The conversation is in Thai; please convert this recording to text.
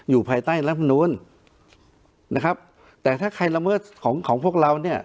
อยู่ภายใต้และพรุ่งนู้นนะครับแต่ถ้าใครละเมิดของพวกเราเนี่ย